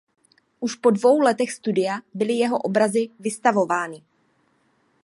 Už po dvou letech studia byly jeho obrazy vystavovány.